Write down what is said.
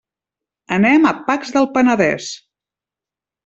Anem a Pacs del Penedès.